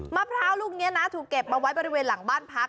มะพร้าวลูกนี้นะถูกเก็บมาไว้บริเวณหลังบ้านพัก